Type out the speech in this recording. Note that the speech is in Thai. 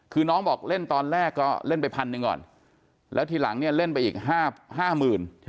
คือน้องบอกเล่นตอนแรกก็เล่นไปพันหนึ่งก่อนแล้วทีหลังเนี่ยเล่นไปอีกห้าหมื่น